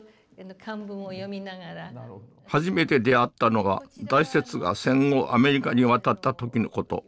初めて出会ったのは大拙が戦後アメリカに渡った時の事。